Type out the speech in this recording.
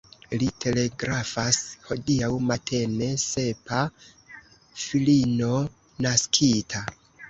Li telegrafas: « Hodiaŭ matene sepa filino naskita ».